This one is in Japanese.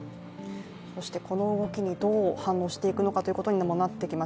そしてこの動きにどう反応していくのかということにもなっていきます。